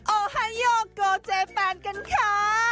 โอไฮโยโกเจแฟนกันค่ะ